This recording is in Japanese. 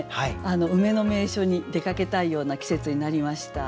梅の名所に出かけたいような季節になりました。